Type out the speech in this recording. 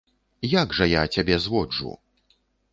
Як жа я цябе зводжу?